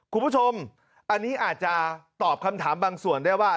คุณผู้ชมอันนี้อาจจะตอบคำถามบางส่วนได้ว่า